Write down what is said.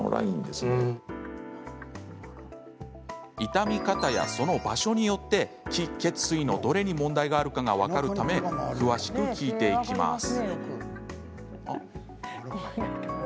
痛み方や、その場所によって気・血・水のどれに問題があるかが分かるため詳しく聞いていきます。